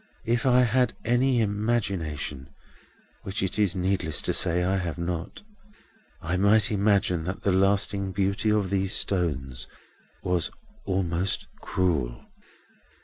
If I had any imagination (which it is needless to say I have not), I might imagine that the lasting beauty of these stones was almost cruel."